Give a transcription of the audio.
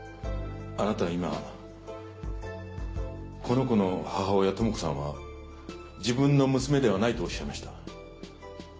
あなた今この子の母親智子さんは自分の娘ではないとおっしゃいました。